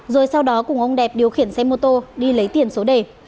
rồi sau đó cùng ông đẹp điều khiển xe mô tô đi lấy tiền số đề